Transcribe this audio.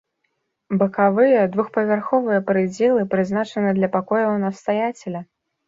Бакавыя двухпавярховыя прыдзелы прызначаны для пакояў настаяцеля.